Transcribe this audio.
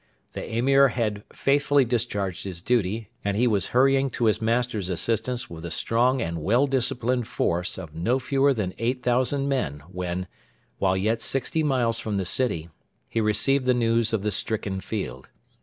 The Emir had faithfully discharged his duty, and he was hurrying to his master's assistance with a strong and well disciplined force of no fewer than 8,000 men when, while yet sixty miles from the city, he received the news of 'the stricken field.'